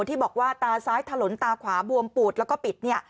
ที่บอกว่าตาซ้ายถลนตาขวาบวมปูดแล้วก็ปิดเนี่ย